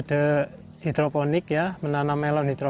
dan pada tujuan pembrukanya ketika apa pun diikat dia